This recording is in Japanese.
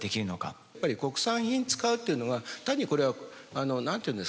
やっぱり国産品使うっていうのが単にこれは何て言うんですかね